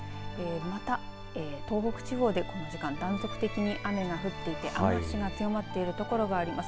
また東北地方でこの時間断続的に雨が降っていて雨足が強まっているところがあります。